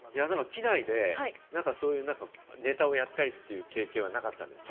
機内で何かそういうネタをやったりという経験はなかったんですか？